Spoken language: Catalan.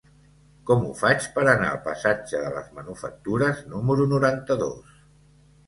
Com ho faig per anar al passatge de les Manufactures número noranta-dos?